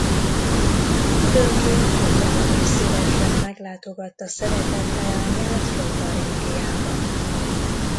Időnként Katalin is szívesen meglátogatta szeretett leányát Lotaringiában.